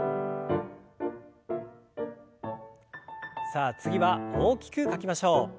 さあ次は大きく書きましょう。